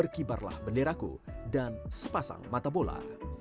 kebarlah bendera ku dan sepasang mata bola